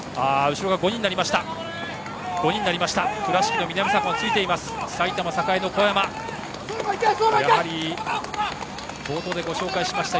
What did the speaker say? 後ろが５人になりました。